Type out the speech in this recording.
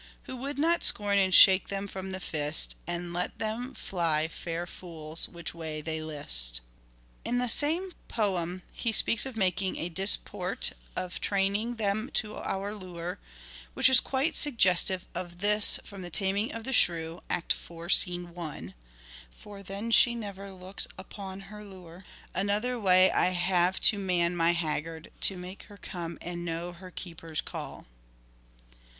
Who would not scorn and shake them from the fist And let them fly, fair fools, which way they list ?" In the same poem he speaks of making a " disport " of " training them to our lure," which is quite sugges tive of this from " The Taming of the Shrew " (IV. i) :" For then she never looks upon her lure. Another way I have to man my haggard, To make her come and know her keeper's call."